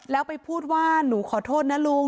แล้วไปพูดว่าหนูขอโทษนะลุง